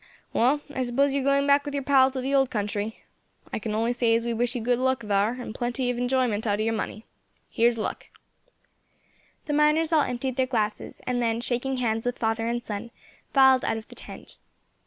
"Wall, I suppose you are going back with your pile to the old country. I can only say as we wish you good luck thar, and plenty of enjoyment out of your money. Here's luck." The miners all emptied their glasses, and then, shaking hands with father and son, filed out of the tent.